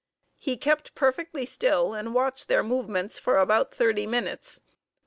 He kept perfectly still and watched their movements for about thirty minutes.